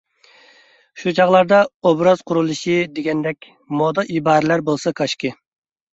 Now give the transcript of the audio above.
شۇ چاغلاردا «ئوبراز قۇرۇلۇشى» دېگەندەك مودا ئىبارىلەر بولسا كاشكى.